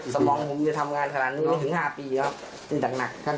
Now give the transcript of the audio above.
สมองผมจะทำงานขนาดนั้นไม่ถึง๕ปีแล้วจริงจากหนักข้าง